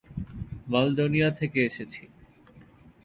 মালডোনিয়া থেকে এসেছি।